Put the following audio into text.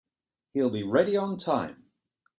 He'll be ready on time.